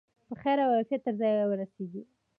په خیر او عافیت تر ځایه ورسیږي.